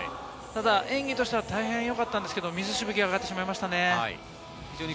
演技としては大変よかったんですが、水しぶきが上がってしまいましたね。